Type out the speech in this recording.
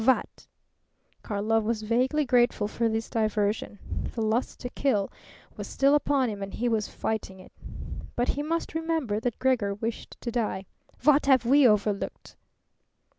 "What?" Karlov was vaguely grateful for this diversion. The lust to kill was still upon him and he was fighting it. He must remember that Gregor wished to die. "What have we overlooked?"